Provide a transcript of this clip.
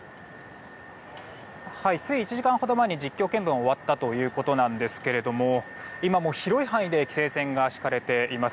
つい１時間ほど前に実況見分が終わったということですけども今も広い範囲で規制線が敷かれています。